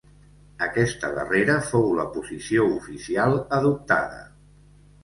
Aquesta darrera fou la posició oficial adoptada.